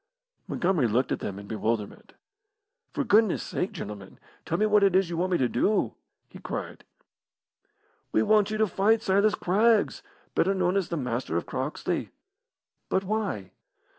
Montgomery looked at them in bewilderment. "For goodness' sake, gentlemen, tell me what it is you want me to do!" he cried. "We want you to fight Silas Craggs, better known as the Master of Croxley." "But why?"